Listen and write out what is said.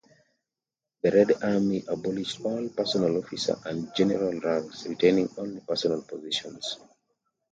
The Red Army abolished all personal officer and general ranks, retaining only personal positions.